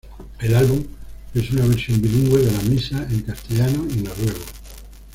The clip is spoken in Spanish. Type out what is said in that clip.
El álbum es una versión bilingüe de la Misa, en castellano y noruego.